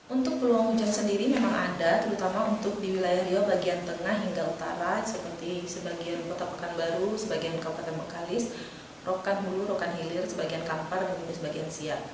untuk peluang hujan sendiri memang ada terutama untuk di wilayah riau bagian tengah hingga utara seperti sebagian kota pekanbaru sebagian kabupaten mekalis rokan hulu rokan hilir sebagian kampar dan juga sebagian siak